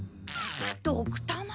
ドクたま？